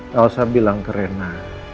gak usah bilang ke rena